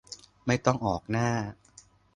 ไม่ต้องออกหน้า